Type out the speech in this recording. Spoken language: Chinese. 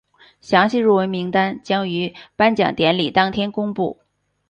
详细入围名单将于颁奖典礼当天公布。